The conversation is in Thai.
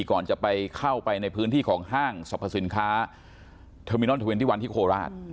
ก่อนจะไปเข้าไปในพื้นที่ของห้างสรรพสินค้าเทอร์มินอลเทอร์เวนตี้วันที่โคราช